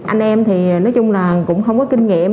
anh em thì nói chung là cũng không có kinh nghiệm